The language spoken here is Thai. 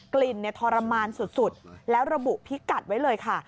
กลิ่นทรมานสุดแล้วระบุพิกัดไว้เลยค่ะ